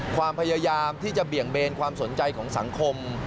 ความพยายามที่จะเบี่ยงเบนความสนใจของสังคม